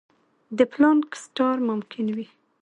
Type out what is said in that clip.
د پلانک سټار ممکن وي.